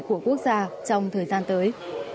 của quốc gia trong thời gian tới